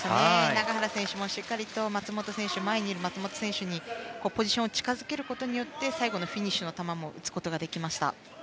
永原選手も前の松本選手にポジションを近づけることによって最後のフィニッシュの球を打つことができました。